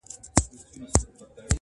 جادو ګر کړلې نارې ویل یې خدایه٫